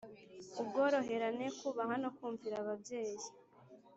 ubworoherane, kubaha no kumvira ababyeyi